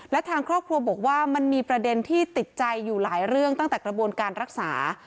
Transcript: และทางครอบครัวบอกว่ามันมีประเด็นที่ติดใจอยู่หลายเรื่องตั้งแต่กระบวนการรักษา